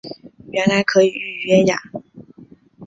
原来可以预约呀